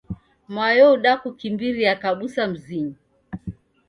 Mayo udakukimbiria kabusa mzinyi.